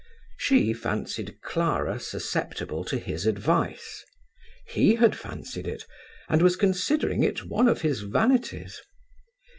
She fancied Clara susceptible to his advice: he had fancied it, and was considering it one of his vanities.